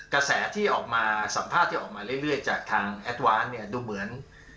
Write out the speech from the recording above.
กระแสที่ออกมาสัมภาษณ์ที่ออกมาเรื่อยจากทางแอดวานเนี่ยดูเหมือน